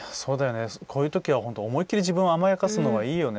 こういうときは本当に自分を甘やかすのはいいよね。